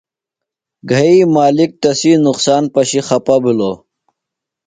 گھئی مالِک تسی نقصان پشیۡ خپہ بِھلوۡ۔